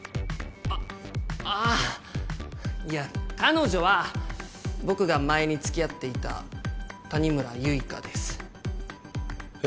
あああいや彼女は僕が前に付き合っていた谷村結花です。え？